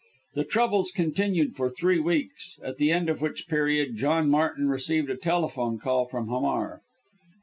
The troubles continued for three weeks, at the end of which period John Martin received a telephone call from Hamar.